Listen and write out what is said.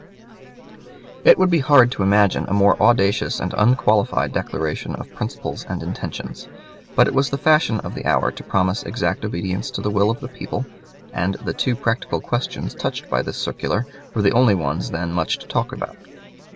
It would be hard to imagine a more audacious and unqualified declaration of principles and intentions. But it was the fashion of the hour to promise exact obedience to the will of the people, and the two practical questions touched by this circular were the only ones then much talked about.